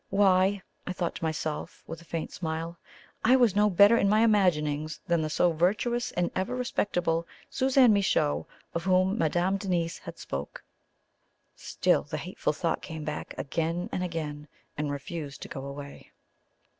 Why, I thought to myself, with a faint smile, I was no better in my imaginings than the so virtuous and ever respectable Suzanne Michot of whom Madame Denise had spoken. Still the hateful thought came back again and again, and refused to go away.